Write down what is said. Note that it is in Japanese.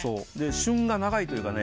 旬が長いというかね